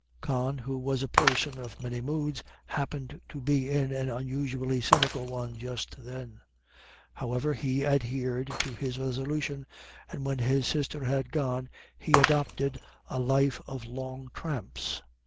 Con, who was a person of many moods, happened to be in an unusually cynical one just then; however, he adhered to his resolution, and when his sister had gone he adopted a life of long tramps.